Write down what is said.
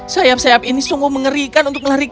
sayap sayap ini sungguh mengerikan